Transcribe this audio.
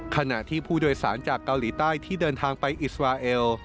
ขณะที่ผู้โดยสารจากเกาหลีใต้ที่เดินทางไปอิสราเอล